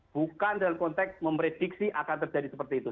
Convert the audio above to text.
bukan dalam konteks memprediksi akan terjadi seperti itu